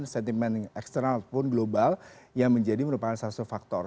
sentimen eksternal ataupun global yang menjadi merupakan salah satu faktor